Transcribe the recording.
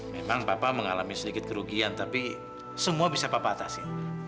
memang papa mengalami sedikit kerugian tapi semua bisa papa atasin